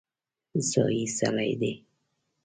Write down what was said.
ځايي سړی دی.